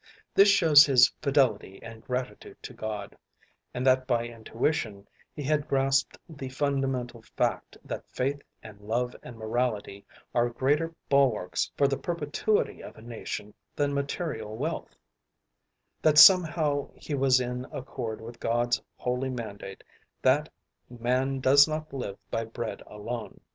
This shows his fidelity and gratitude to God, and that by intuition he had grasped the fundamental fact that faith and love and morality are greater bulwarks for the perpetuity of a nation than material wealth; that somehow he was in accord with God's holy mandate that "man does not live by bread alone."